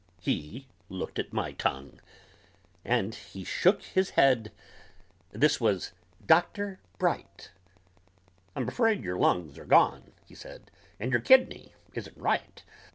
He looked at my tongue, and he shook his head This was Doctor Bright "I'm afraid your lungs are gone," he said, "And your kidney isn't right.